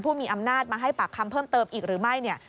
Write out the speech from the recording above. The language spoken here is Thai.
ผู้มีอำนาจมาให้ปากคำเพิ่มเติมอีกหรือไม่เนี่ย